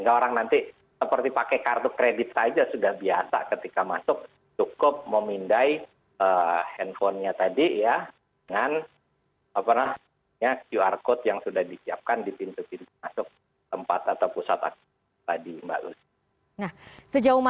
dan novel merah ini juga